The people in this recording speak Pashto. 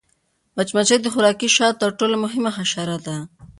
مچمچۍ د خوراکي شاتو تر ټولو مهمه حشره ده